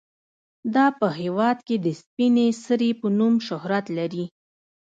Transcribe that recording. دا په هیواد کې د سپینې سرې په نوم شهرت لري.